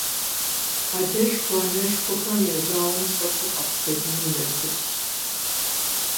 Адэшхуэ-анэшхуэхэм я жьауэм щӀэту къэхъу сабийм и насыпщ.